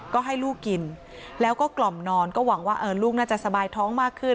ก็ให้ลูกกินแล้วก็กล่อมนอนก็หวังว่าลูกน่าจะสบายท้องมากขึ้น